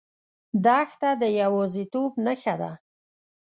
دښته د یوازیتوب نښه ده.